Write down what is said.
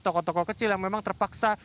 toko toko kecil yang memang terpaksa